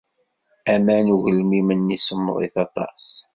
Aman n ugelmim-nni semmḍit aṭas.